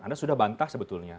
anda sudah bantah sebetulnya